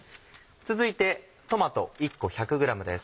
続いてトマト１個１００ｇです。